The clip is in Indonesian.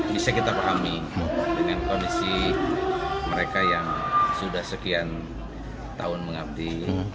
bisa kita pahami dengan kondisi mereka yang sudah sekian tahun mengabdi